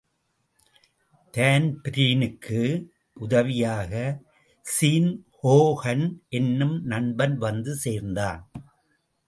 தான்பிரீனுக்கு உதவியாக Sean Hogan என்னும் நண்பன் வந்து சேர்ந்தான்.